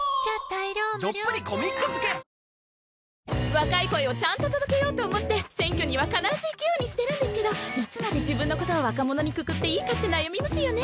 若い声をちゃんと届けようと思って選挙には必ず行くようにしてるんですけどいつまで自分のことを若者にくくっていいかって悩みますよね。